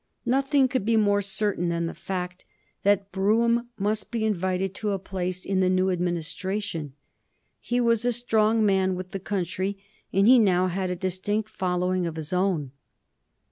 Nothing could be more certain than the fact that Brougham must be invited to a place in the new Administration. He was a strong man with the country, and he now had a distinct following of his own.